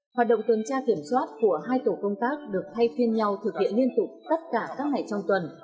hoạt động tuần tra kiểm soát của hai tổ công tác được thay phiên nhau thực hiện liên tục tất cả các ngày trong tuần